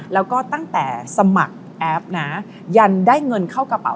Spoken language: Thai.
แล้วก็ตั้งแต่สมัครแอปนะยันได้เงินเข้ากระเป๋า